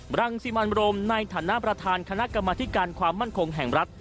รังสิมันโรมในฐานะประธานคณะกรรมธิการความมั่นคงแห่งรัฐ